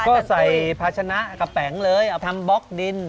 ก็ใส่ภาชนะกระแป๋งเลยเอาทำบล็อกดิน